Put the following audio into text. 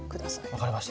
分かりました。